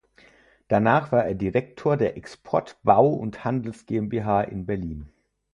Danach war er Direktor der Export Bau- und Handels GmbH in Berlin.